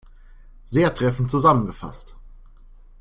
Sehr treffend zusammengefasst!